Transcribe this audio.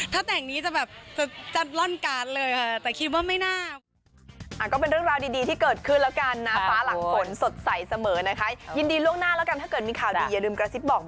ถ้าแต่งงานนี้จะแบบ